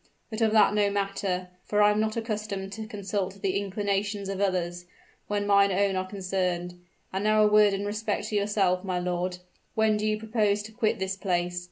But of that no matter; for I am not accustomed to consult the inclinations of others, when mine own are concerned. And now a word in respect to yourself, my lord. When do you propose to quit this place?